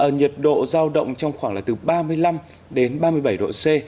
nhiệt độ giao động trong khoảng là từ ba mươi năm đến ba mươi bảy độ c